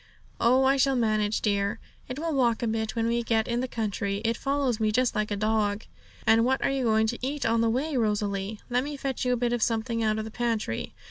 'Oh, I shall manage, dear. It will walk a bit when we get in the country; it follows me just like a dog.' 'And what are you going to eat on the way, Rosalie? Let me fetch you a bit of something out of the pantry.'